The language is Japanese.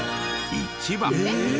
１番。